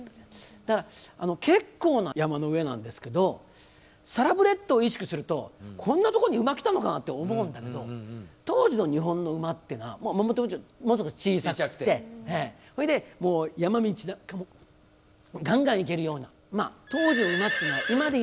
だから結構な山の上なんですけどサラブレッドを意識するとこんなとこに馬来たのかなって思うんだけど当時の日本の馬っていうのはもともとものすごく小さくてそれでもう山道なんかもガンガン行けるような。